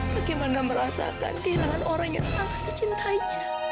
bagaimana merasakan kehilangan orang yang sangat dicintainya